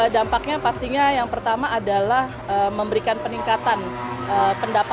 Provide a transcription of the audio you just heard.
dampaknya pastinya yang pertama adalah memberikan peningkatan pendapatan